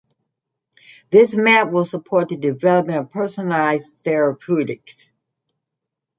This map will support the development of personalised therapeutics.